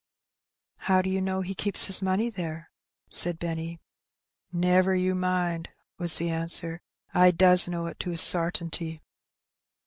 "How do you know he keeps his money there?" said Benny. "Never you mind," was the answer j "I does know it to a sartinty."